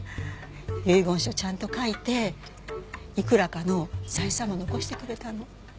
遺言書ちゃんと書いていくらかの財産も残してくれたの。